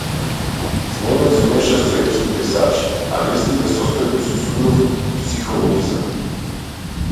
Сленгот се меша со епските пејзажи, а лирските состојби со суров психологизам.